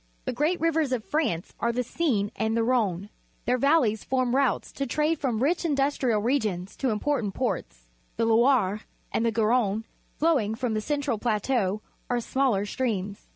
The great rivers of France are the Seine_ and the Rhone. Their valleys form routes of trade from rich industrial regions to important ports. The Loire, and the Garonne , flowing from the central plateau, are smaller streams.